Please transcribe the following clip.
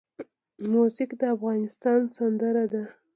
موزیک د آسمان سندره ده.